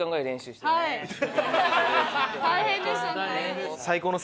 はい大変でしたね。